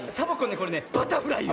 これねバタフライよ。